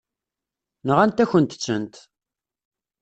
Nɣant-akent-tent.